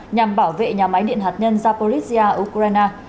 nhằm bảo vệ nhà máy điện hạt nhân zapolisia ukraine